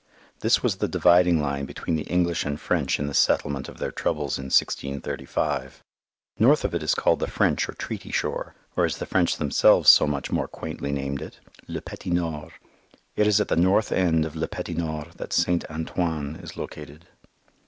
This was the dividing line between the English and French in the settlement of their troubles in 1635. North of it is called the French or Treaty Shore, or as the French themselves so much more quaintly named it, "Le Petit Nord." It is at the north end of Le Petit Nord that St. Antoine is located.